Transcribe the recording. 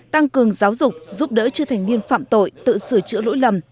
tăng cường giáo dục giúp đỡ chưa thành niên phạm tội tự sửa chữa lỗi lầm